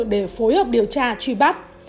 để phối hợp điều tra truy bắt